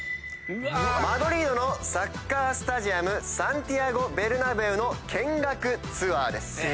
マドリードのサッカースタジアムサンティアゴ・ベルナベウの見学ツアーです。